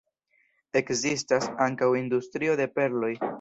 Ekzistas ankaŭ industrio de perloj.